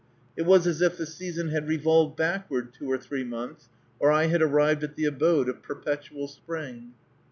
It was as if the season had revolved backward two or three months, or I had arrived at the abode of perpetual spring.